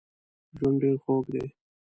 ژوند ډېر خوږ دی